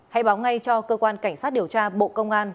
hãy báo ngay cho cơ quan cảnh sát điều tra bộ công an